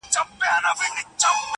د حيا تور پوړونی مه ورکوه چي غورځوه,